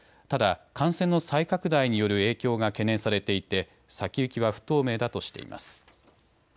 ただ、感染の再拡大による影響が懸念されていて先行きは不透明だとしています。